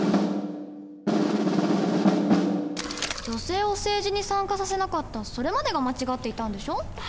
女性を政治に参加させなかったそれまでが間違っていたんでしょ？